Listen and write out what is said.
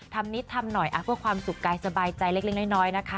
นิดทำหน่อยเพื่อความสุขกายสบายใจเล็กน้อยนะคะ